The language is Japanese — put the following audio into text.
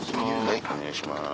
はいお願いします。